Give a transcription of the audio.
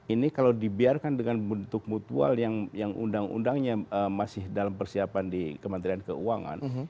ini kalau dibiarkan dengan bentuk mutual yang undang undangnya masih dalam persiapan di kementerian keuangan